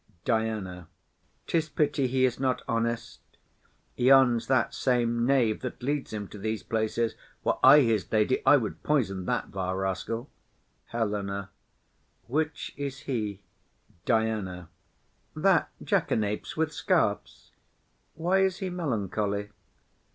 DIANA. 'Tis pity he is not honest. Yond's that same knave That leads him to these places. Were I his lady I would poison that vile rascal. HELENA. Which is he? DIANA. That jack an apes with scarfs. Why is he melancholy?